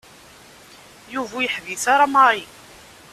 Yuba ur yeḥbis ara Mary.